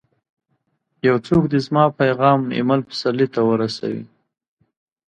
یو څوک دي زما پیغام اېمل پسرلي ته ورسوي!